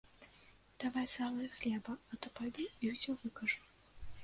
Давай сала і хлеба, а то пайду і ўсё выкажу.